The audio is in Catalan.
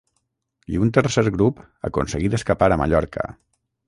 I un tercer grup aconseguí d'escapar a Mallorca.